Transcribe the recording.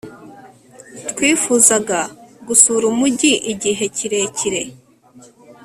twifuzaga gusura umujyi igihe kirekire